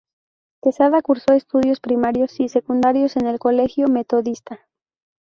Quesada curso estudios primarios y secundarios en el Colegio Metodista.